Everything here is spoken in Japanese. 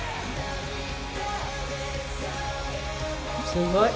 すごい。